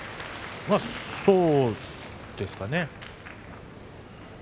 まあ、そうですかね。